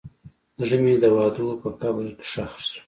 زړه مې د وعدو په قبر کې ښخ شو.